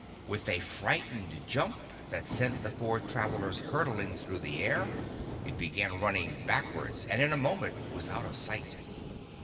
With a frightened jump, that sent the four travelers hurtling through the air, it began running backwards and in a moment was out of sight.